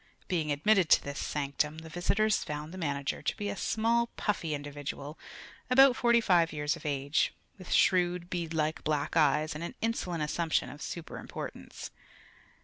Being admitted to this sanctum, the visitors found the manager to be a small, puffy individual about forty five years of age, with shrewd, beadlike black eyes and an insolent assumption of super importance.